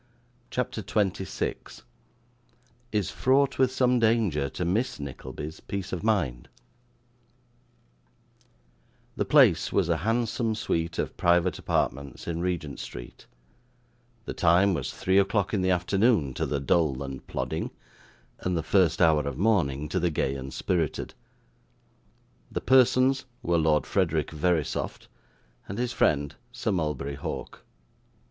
CHAPTER 26 Is fraught with some Danger to Miss Nickleby's Peace of Mind The place was a handsome suite of private apartments in Regent Street; the time was three o'clock in the afternoon to the dull and plodding, and the first hour of morning to the gay and spirited; the persons were Lord Frederick Verisopht, and his friend Sir Mulberry Hawk.